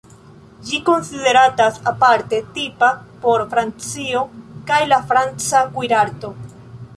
Ĝi konsideratas aparte tipa por Francio kaj la franca kuirarto.